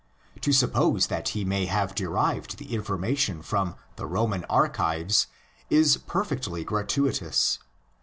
To suppose that he may have derived the information from the "" Roman archives" is perfectly gratuitous.